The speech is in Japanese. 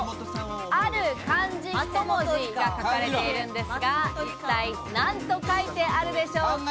ある漢字一文字が書かれているんですが、一体何と書いてあるでしょうか？